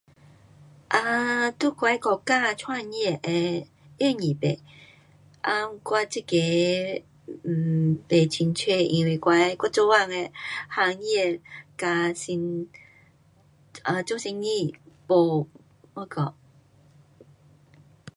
啊，在我的国家创业会容易不？um 我这个 um 不清楚，因为我的，我做工的行业跟生 um 做生意不那个。